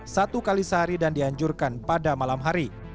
satu kali sehari dan dianjurkan pada malam hari